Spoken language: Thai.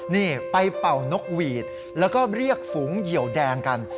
นี่ไปเป่านกหวีดแล้วก็เรียกฝูงเหยียวแดงกัน